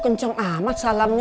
kecam amat salamnya